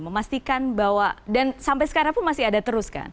memastikan bahwa dan sampai sekarang pun masih ada terus kan